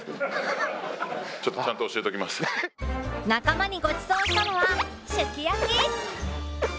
仲間にごちそうしたのはシュキ焼き！